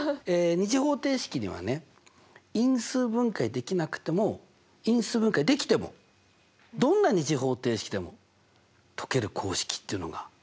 ２次方程式にはね因数分解できなくても因数分解できてもどんな２次方程式でも解ける公式っていうのがあるんです。